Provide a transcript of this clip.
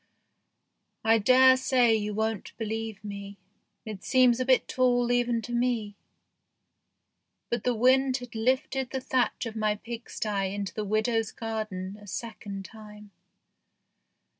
I dare say you won't believe me, it seems a bit tall even to me, but the wind had lifted the thatch of my pigsty into the widow's garden a second time.